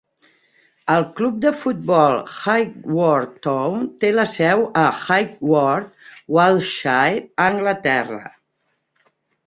El club de futbol Highworth Town té la seu a Highworth (Wiltshire), a Anglaterra.